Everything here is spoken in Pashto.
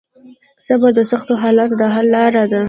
صبر د سختو حالاتو د حل لار ده.